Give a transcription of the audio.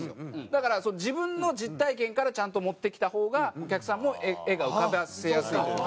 だから自分の実体験からちゃんと持ってきた方がお客さんも画が浮かばせやすいというか。